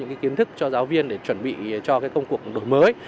cái kiến thức cho giáo viên để chuẩn bị cho công cuộc đổi mới